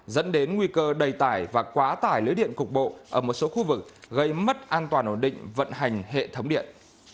dẫn đến nguy cơ đầy tải và quá tải lưới điện cục bộ ở một số khu vực gây mất an toàn ổn định vận hành hệ thống điện